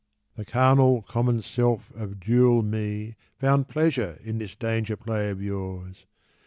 The carnal, common self of dual me Found pleasure in this danger play of yours.